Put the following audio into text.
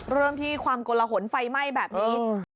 เริ่มที่ความกลหนไฟไหม้แบบนี้